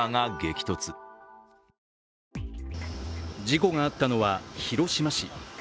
事故があったのは広島市。